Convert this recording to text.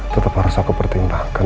tetap harus aku pertimbangkan